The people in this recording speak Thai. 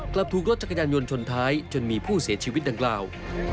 กลับถูกรถจักรยานยนต์ชนท้ายจนมีผู้เสียชีวิตดังกล่าว